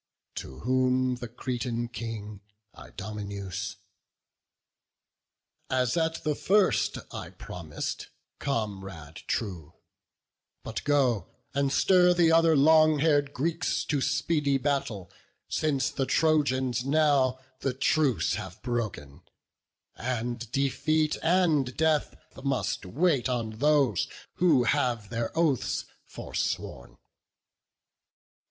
To whom the Cretan King, Idomeneus: "In me, Atrides, thou shalt ever find, As at the first I promis'd, comrade true; But go, and stir the other long haired Greeks To speedy battle; since the Trojans now The truce have broken; and defeat and death Must wait on those who have their oaths forsworn."